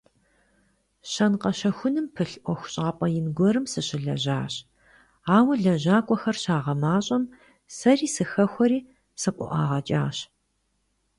Щэн-къэщэхуным пылъ ӏуэхущӏапӏэ ин гуэрым сыщылэжьащ, ауэ, лэжьакӀуэхэр щагъэмащӀэм, сэри сыхэхуэри, сыкъыӀуагъэкӀащ.